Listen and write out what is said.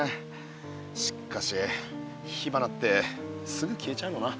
しっかし火花ってすぐ消えちゃうのな。